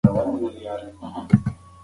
دوی د سولې په فضا کې ژوند کوي.